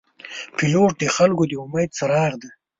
پیلوټ د خلګو د امید څراغ دی.